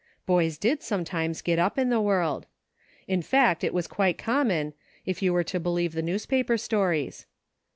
Boys did some times get up in the world. In fact, it was quite common, if you were to believe newspaper stories.